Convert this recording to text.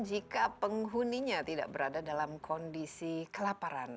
jika penghuninya tidak berada dalam kondisi kelaparan